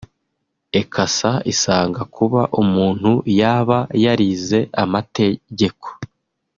Ecassa isanga kuba umuntu yaba yarize amategeko